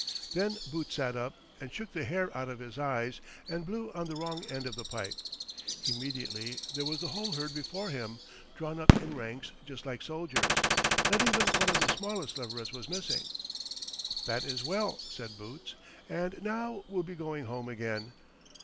Then Boots sat up, and shook the hair out of his eyes and blew on the wrong end of the pipe. Immediately there was the whole herd before him, drawn up in ranks just like soldiers. Not even one of the smallest leverets was missing. "That is well," said Boots. "And now we'll be going home again."